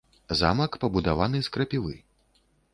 Замак, пабудаваны з крапівы.